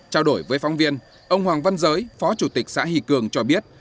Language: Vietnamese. trao đổi với phóng viên ông hoàng văn giới phó chủ tịch xã hỷ cường cho biết